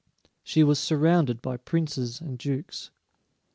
She was surrounded by princes and dukes.